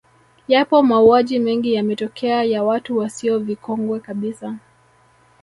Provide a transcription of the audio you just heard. Yapo mauaji mengi yametokea ya watu wasio vikongwe kabisa